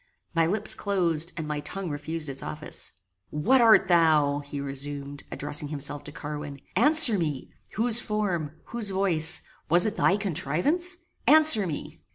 My lips closed, and my tongue refused its office. "What art thou?" he resumed, addressing himself to Carwin. "Answer me; whose form whose voice was it thy contrivance? Answer me."